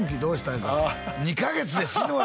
言うから２カ月で死ぬわ！